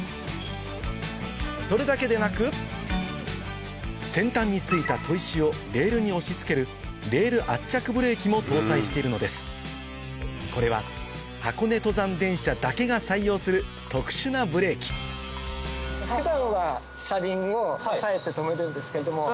それだけでなく先端に付いた砥石をレールに押し付けるレール圧着ブレーキも搭載しているのですこれは箱根登山電車だけが採用する特殊なブレーキなるほど！